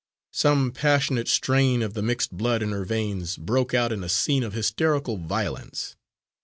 Some passionate strain of the mixed blood in her veins broke out in a scene of hysterical violence.